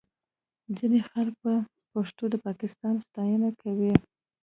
ځینې خلک په پښتو د پاکستان ستاینه کوي